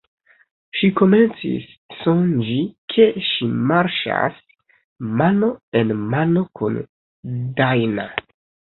Ŝi komencis sonĝi ke ŝi marŝas mano en mano kun Dajna.